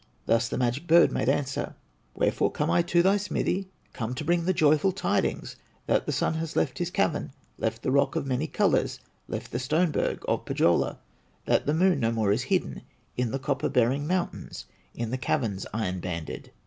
Thus the magic bird made answer: "Wherefore come I to thy smithy? Come to bring the joyful tidings That the Sun has left his cavern, Left the rock of many colors, Left the stone berg of Pohyola; That the Moon no more is hidden In the copper bearing mountains, In the caverns iron banded."